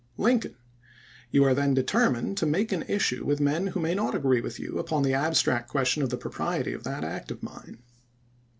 Lincoln :" You are then determined to make an issue with men who may not agree with you upon the abstract question of the propriety of that act of mine.